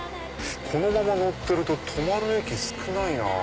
このまま乗ってると止まる駅少ないなぁ。